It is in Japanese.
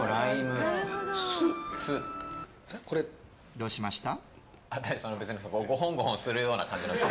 どうしました？